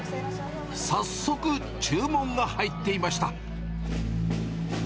早速、注文が入っていました。